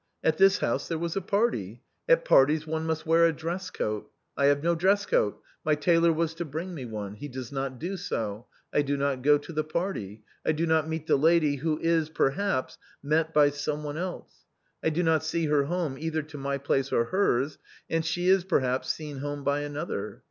At this house there was a party. At parties one must wear a dress coat. I have no dress coat, ray tailor was to bring me one ; he does not do so ; I do not go to the party ; I do not meet the lady who is, perhaps, met by someone else ; I do not see her home either to my place or hers, and she is, perhaps, seen home by another.